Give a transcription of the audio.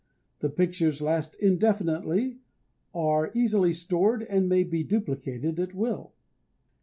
The pictures last indefinitely, are easily stored, and may be duplicated at will.